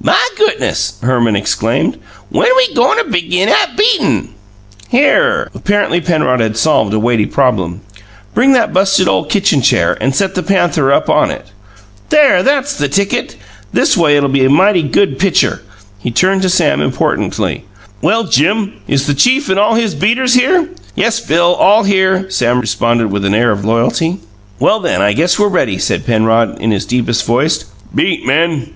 "My gootness!" Herman exclaimed. "When we goin' begin 'at beatin'?" "Here!" Apparently Penrod had solved a weighty problem. "Bring that busted ole kitchen chair, and set the panther up on it. There! THAT'S the ticket! This way, it'll make a mighty good pitcher!" He turned to Sam importantly. "Well, Jim, is the chief and all his beaters here?" "Yes, Bill; all here," Sam responded, with an air of loyalty. "Well, then, I guess we're ready," said Penrod, in his deepest voice. "Beat, men."